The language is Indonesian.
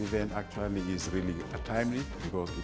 perjalanan ini sebenarnya sangat berat